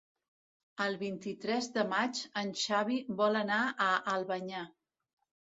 El vint-i-tres de maig en Xavi vol anar a Albanyà.